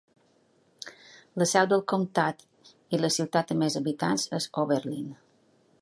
La seu del comptat i la ciutat amb més habitants és Oberlin.